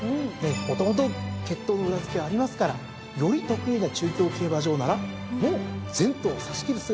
もともと血統の裏付けありますからより得意な中京競馬場ならもう全頭差し切る姿が浮かびますよね。